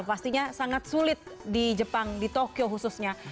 pastinya sangat sulit di jepang di tokyo khususnya